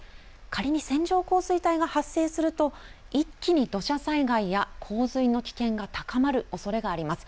仮に線状降水帯が発生すると一気に土砂災害や洪水の危険が高まるおそれがあります。